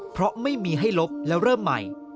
เพราะไม่มีให้ลบแล้วเริ่มใหม่